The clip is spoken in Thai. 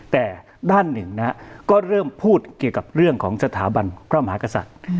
แต่ด้านหนึ่งก็เริ่มพูดเรื่องของสถาบันพระมหากศัตรู